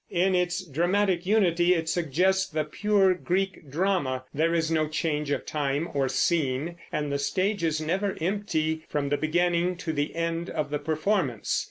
In its dramatic unity it suggests the pure Greek drama; there is no change of time or scene, and the stage is never empty from the beginning to the end of the performance.